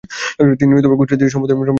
তিনি গুজরাতি সম্প্রদায়ের অন্তর্গত।